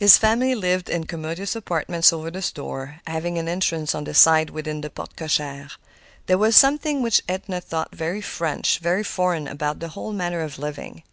His family lived in commodious apartments over the store, having an entrance on the side within the porte cochère. There was something which Edna thought very French, very foreign, about their whole manner of living.